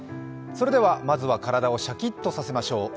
それではまずは体をシャキッとさせましょう。